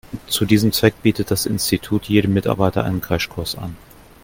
Zu diesem Zweck bietet das Institut jedem Mitarbeiter einen Crashkurs an.